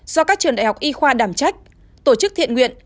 do các trường đại học y khoa đảm trách tổ chức thiện nguyện